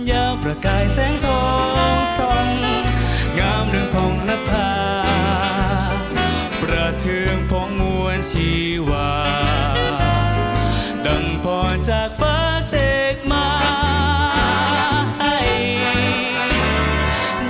ยาวประกายแสงทองทรงงามเรือนพร้อมรัฐภาพประเทิงพร้อมงวลชีวาดั่งพรจากเฟ้อเสกมาย